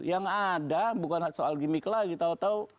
yang ada bukan soal gimmick lagi tau tau